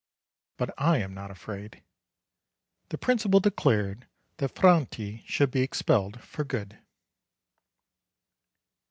but I am not afraid." The principal declared that Franti should be ex pelled for good.